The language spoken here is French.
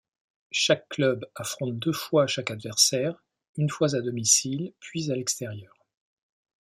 Chaque club affronte deux fois chaque adversaire, une fois à domicile puis à l’extérieur.